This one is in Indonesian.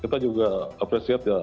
kita juga appreciate ya